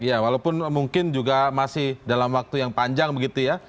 ya walaupun mungkin juga masih dalam waktu yang panjang begitu ya